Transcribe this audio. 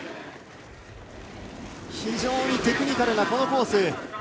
非常にテクニカルなこのコース。